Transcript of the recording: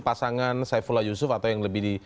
pasangan saifullah yusuf atau yang lebih di